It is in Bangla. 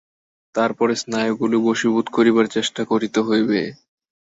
তারপর স্নায়ুগুলি বশীভূত করিবার চেষ্টা করিতে হইবে।